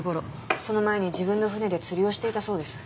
その前に自分の船で釣りをしていたそうです。